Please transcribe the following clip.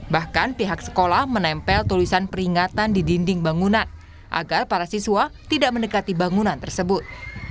bahkan pihak sekolah menempel tulisan peringatan di dinding bangunan agar para siswa tidak mendekati bangunan tersebut